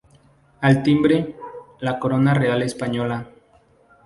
Al timbre, la Corona Real Española.